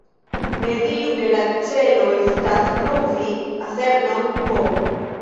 Ni diru, ke la celo estas pruvi aserton "p".